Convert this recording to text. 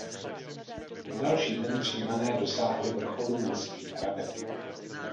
Další den Římané dosáhli vrcholu městských hradeb.